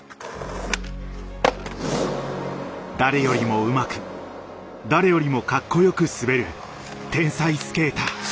誰よりもうまく誰よりもかっこよく滑る天才スケーター。